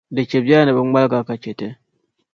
Di chɛ biɛla ni bɛ ŋmalgi a ka chɛ ti.